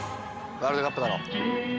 ワールドカップだろ。